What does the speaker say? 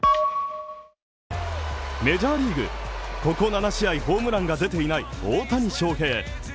メジャーリーグ、ここ７試合ホームランが出ていない大谷翔平。